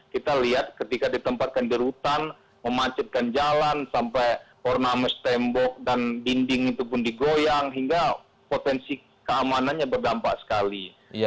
kita lihat ketika ditempatkan di rutan memacetkan jalan sampai ornames tembok dan dinding itu pun digoyang hingga potensi keamanannya berdampak sekali